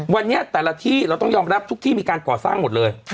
วันนี้แต่ละที่เราต้องยอมรับทุกที่มีการก่อสร้างหมดเลย